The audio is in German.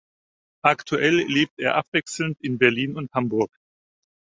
Aktuell lebt er abwechselnd in Berlin und Hamburg.